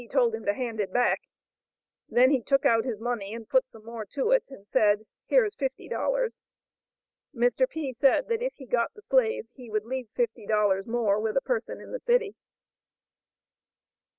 told him to hand it back; he then took out his money and put some more to it, and said: "Here is fifty dollars." Mr. P. said that if he got the slave he would leave fifty dollars more with a person in the city.